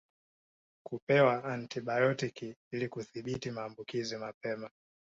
Kupewa antibayotiki ili kudhibiti maambukizi mapema